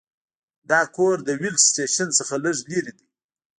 دا کور د ویلډ سټیشن څخه لږ لرې دی